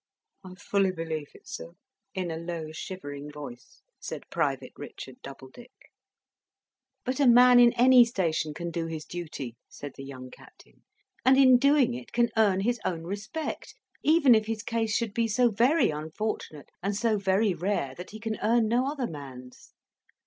"I fully believe it, sir," in a low, shivering voice said Private Richard Doubledick. "But a man in any station can do his duty," said the young Captain, "and, in doing it, can earn his own respect, even if his case should be so very unfortunate and so very rare that he can earn no other man's.